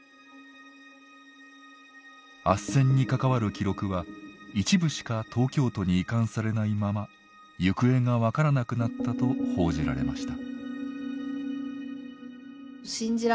あっせんに関わる記録は一部しか東京都に移管されないまま行方が分からなくなったと報じられました。